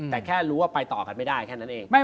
แต่แค่รู้ว่าไปต่อกันไม่ได้แค่นั้นเอง